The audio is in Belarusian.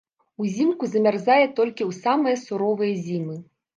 Узімку замярзае толькі ў самыя суровыя зімы.